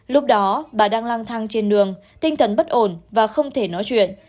lúc đó bà đang lang thang trên đường tinh thần bất ổn và không thể nói chuyện